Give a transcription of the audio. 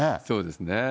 そうですね。